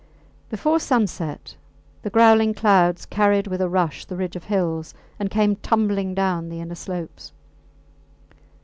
Before sunset the growling clouds carried with a rush the ridge of hills, and came tumbling down the inner slopes.